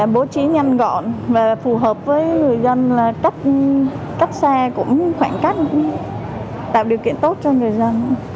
bố trí nhanh gọn và phù hợp với người dân là cấp xe cũng khoảng cách tạo điều kiện tốt cho người dân